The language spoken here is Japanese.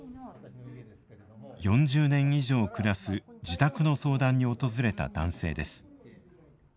４０年以上、暮らす自宅の相談に訪れた男性です。